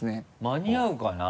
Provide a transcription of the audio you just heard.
間に合うかな？